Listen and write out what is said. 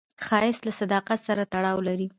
ښایست له صداقت سره تړاو لري